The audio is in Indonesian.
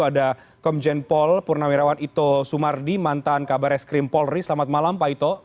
ada komjen pol purnawirawan ito sumardi mantan kabar es krim polri selamat malam pak ito